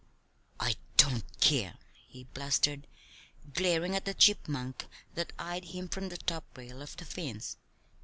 "I don't care," he blustered, glaring at the chipmunk that eyed him from the top rail of the fence.